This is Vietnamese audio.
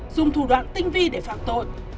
dùng thủ đoạn tinh vi để phạm tội